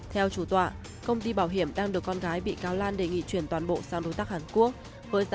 theo chủ tọa công ty bảo hiểm đang được con gái bị cáo lan đề nghị chuyển toàn bộ sang đối tác hàn quốc